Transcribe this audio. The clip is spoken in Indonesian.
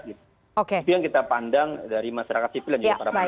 itu yang kita pandang dari masyarakat sipil dan juga para pemerintah